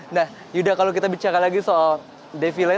nah yuda kalau kita bicara lagi soal defile